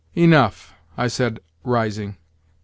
"Enough," I said, rising.